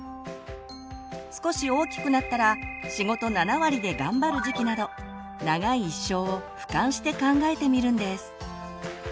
少し大きくなったら仕事７割で頑張る時期など長い一生をふかんして考えてみるんです。